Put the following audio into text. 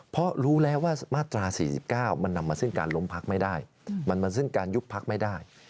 เพราะรู้แล้วว่ามาตรา๔๙มันนำมาซึ่งการล้มพักไม่ได้มันซึ่งการยุบพักไม่ได้